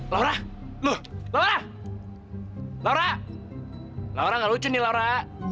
laura laura laura laura gak lucu nih laura